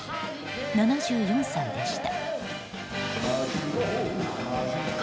７４歳でした。